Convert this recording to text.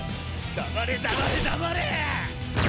黙れ黙れ黙れーっ！